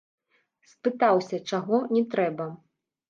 Спытаўся, чаго не трэба.